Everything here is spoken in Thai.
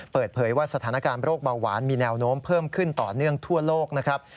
เปิดเผยว่าสถานการณ์โรคเบาหวานมีแนวโน้มเพิ่มขึ้นต่อเนื่องทั่วโลกนะครับ